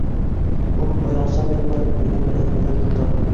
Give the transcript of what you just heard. Ул, оялсан йылмайып, минең беләгемдән тота.